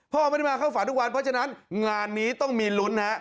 พ่อไม่ได้มาเข้าฝันทุกวันเพราะฉะนั้นงานนี้ต้องมีลุ้นฮะ